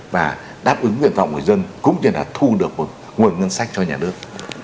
và đáp ứng nguyên vọng của người dân cũng như là thu được nguồn ngân sách cho nhà nước